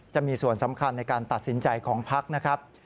จะมีส่วนสำคัญในการตัดสินใจของพักนะครับ